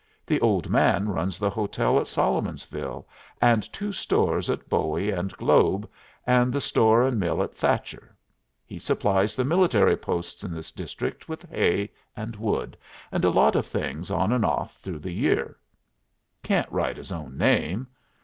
The old man runs the hotel at Solomonsville and two stores at Bowie and Globe, and the store and mill at Thacher. He supplies the military posts in this district with hay and wood, and a lot of things on and off through the year. Can't write his own name.